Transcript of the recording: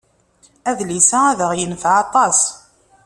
Adlis-a ad aɣ-yenfeɛ aṭas.